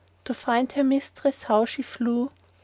To find her mistress how she flew!